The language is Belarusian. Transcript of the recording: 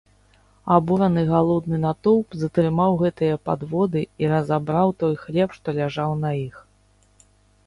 Абураны галодны натоўп затрымаў гэтыя падводы і разабраў той хлеб, што ляжаў на іх.